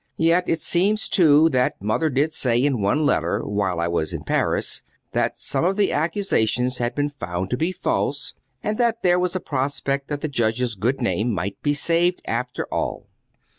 "Yet it seems, too, that mother did say in one letter, while I was in Paris, that some of the accusations had been found to be false, and that there was a prospect that the Judge's good name might be saved, after all."